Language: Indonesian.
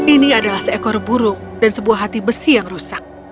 ini adalah seekor burung dan sebuah hati besi yang rusak